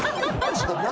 何？